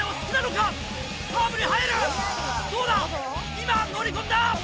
今乗り込んだ！